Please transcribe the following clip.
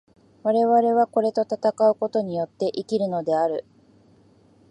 我々はこれと戦うことによって生きるのである。